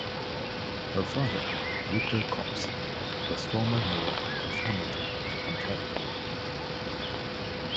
Her father, Victor Copps was former Mayor of Hamilton, Ontario.